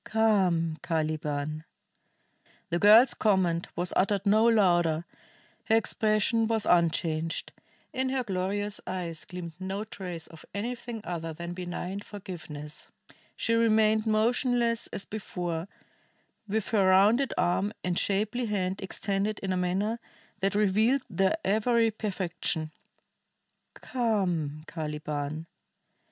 "Come, Caliban!" The girl's command was uttered no louder, her expression was unchanged; in her glorious eyes gleamed no trace of anything other than benign forgiveness; she remained motionless as before, with her rounded arm and shapely hand extended in a manner that revealed their every perfection. "Come, Caliban!"